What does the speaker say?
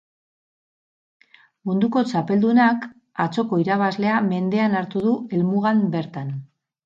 Munduko txapeldunak atzoko irabazlea mendean hartu du helmugan bertan.